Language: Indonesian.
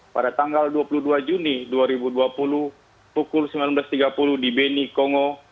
pada tanggal dua puluh dua juni dua ribu dua puluh pukul sembilan belas tiga puluh di beni kongo